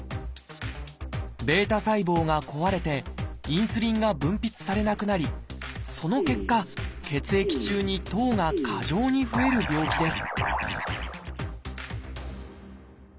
β細胞が壊れてインスリンが分泌されなくなりその結果血液中に糖が過剰に増える病気です